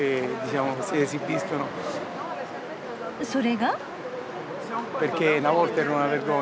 それが？